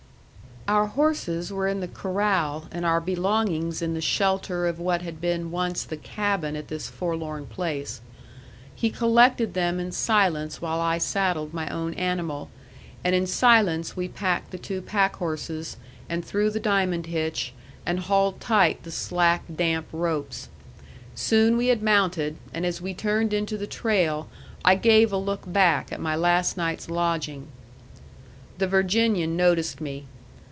Our horses were in the corral and our belongings in the shelter of what had been once the cabin at this forlorn place. He collected them in silence while I saddled my own animal, and in silence we packed the two packhorses, and threw the diamond hitch, and hauled tight the slack, damp ropes. Soon we had mounted, and as we turned into the trail I gave a look back at my last night's lodging. The Virginian noticed me.